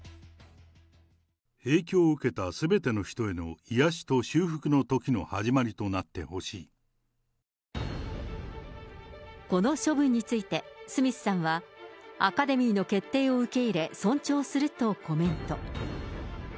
影響を受けたすべての人への癒しと修復のときの始まりとなっこの処分について、スミスさんはアカデミーの決定を受け入れ、尊重するとコメント。